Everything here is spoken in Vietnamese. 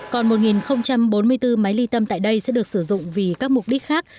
còn một bốn mươi bốn máy ly tâm tại đây sẽ được sử dụng vì các mục đích khác